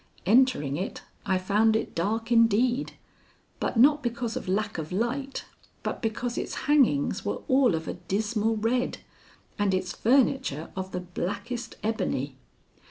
Entering it, I found it dark indeed, but not because of lack of light, but because its hangings were all of a dismal red and its furniture of the blackest ebony.